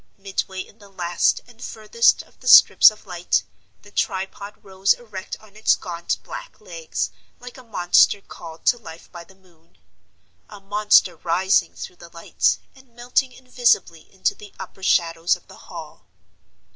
Midway in the last and furthest of the strips of light, the tripod rose erect on its gaunt black legs, like a monster called to life by the moon—a monster rising through the light, and melting invisibly into the upper shadows of the Hall.